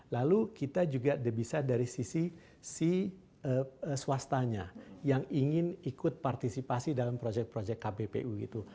lalu kita juga bisa dari sisi si swastanya yang ingin ikut partisipasi dalam proyek proyek kbpu gitu